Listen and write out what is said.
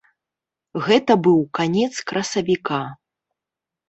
Гэта быў канец красавіка.